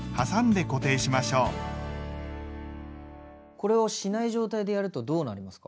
これをしない状態でやるとどうなるんですか？